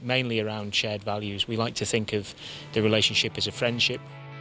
เราอยากที่คิดว่าความสงบเก่งกับความรู้สึกคือความทรงพี่